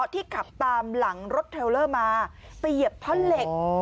ที่ขับตามหลังรถเทลเลอร์มาไปเหยียบท่อนเหล็ก